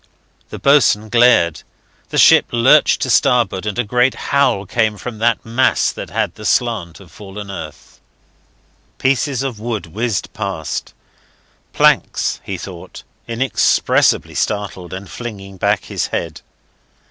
The boatswain glared: the ship lurched to starboard, and a great howl came from that mass that had the slant of fallen earth. Pieces of wood whizzed past. Planks, he thought, inexpressibly startled, and flinging back his head.